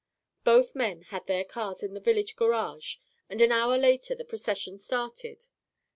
Both men had their cars at the village garage and an hour later the procession started.